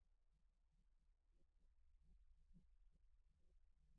马聚垣遗址的历史年代为马家窑类型。